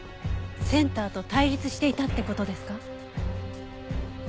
センターと対立していたって事ですか？